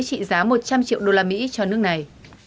trị giá một trăm linh triệu đô la mỹ cho nước này